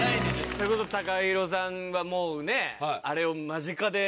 それこそＴＡＫＡＨＩＲＯさんはもうねあれを。